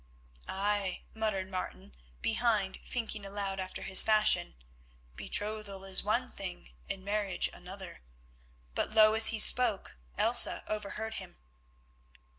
"Ay," muttered Martin behind, thinking aloud after his fashion, "betrothal is one thing and marriage another," but low as he spoke Elsa overheard him.